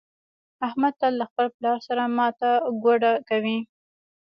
احمد تل له خپل پلار سره ماته ګوډه کوي.